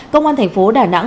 công an tp đà nẵng đã thành công